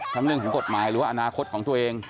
เรื่องของกฎหมายหรือว่าอนาคตของตัวเอง